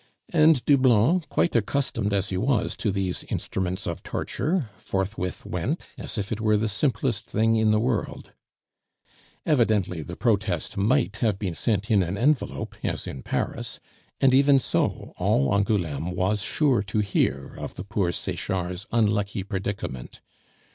And Doublon, quite accustomed as he was to these instruments of torture, forthwith went, as if it were the simplest thing in the world. Evidently the protest might have been sent in an envelope, as in Paris, and even so all Angouleme was sure to hear of the poor Sechards' unlucky predicament.